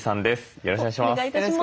よろしくお願いします。